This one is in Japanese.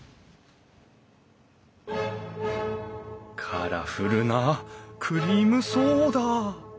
カラフルなクリームソーダ！